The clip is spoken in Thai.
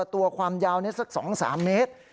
ตัวความยาวนี้สัก๒๓เมตร